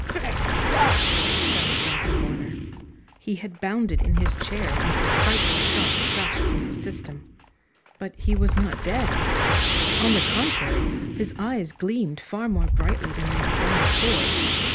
"Great Scott!" shouted Duncan Warner. He had bounded in his chair as the frightful shock crashed through his system. But he was not dead. On the contrary, his eyes gleamed far more brightly than they had done before.